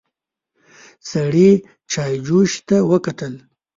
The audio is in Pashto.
سړي چايجوشې ته وکتل.